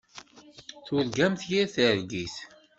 Turgamt yir targit.